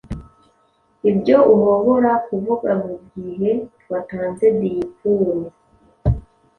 ibyo uhobora kuvuga mugihe watanze diikuru